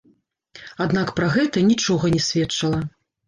Аднак пра гэта нічога не сведчыла.